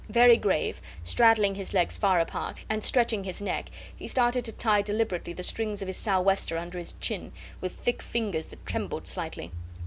Very grave, straddling his legs far apart, and stretching his neck, he started to tie deliberately the strings of his sou' wester under his chin, with thick fingers that trembled slightly.